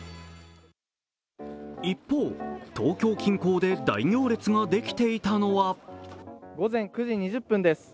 一方、東京近郊で大行列ができていたのは午前９時２０分です。